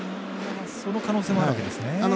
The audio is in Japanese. その可能性もあるわけですね。